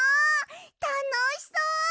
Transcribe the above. たのしそう！